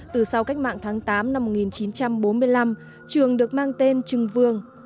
từ sau cách mạng tháng tám năm một nghìn chín trăm bốn mươi năm trường được mang tên trưng vương